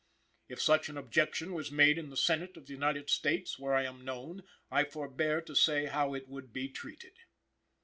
"If such an objection was made in the Senate of the United States, where I am known, I forbear to say how it would be treated.